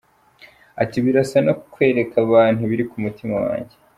Ati “Birasa no kwereka abantu ibiri ku mutima wanjye.